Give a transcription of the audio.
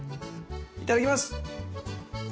いただきます。